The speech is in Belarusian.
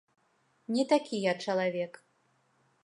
Не такі я чалавек.